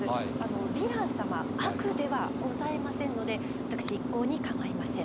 ヴィラン様悪ではございませんので私一向に構いません。